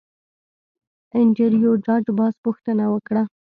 انډریو ډاټ باس پوښتنه وکړه